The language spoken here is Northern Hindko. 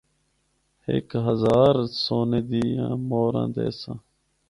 ہک ہزار سونے دیاں مُہراں دیساں۔